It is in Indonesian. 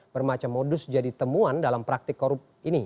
bermacam modus jadi temuan dalam praktik korup ini